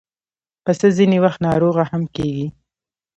پسه ځینې وخت ناروغه هم کېږي.